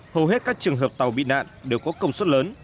hầu hết các trường hợp tàu bị nạn đều có công suất lớn